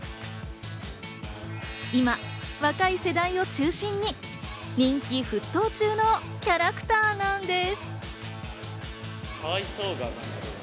今、若い世代を中心に人気沸騰中のキャラクターなんです。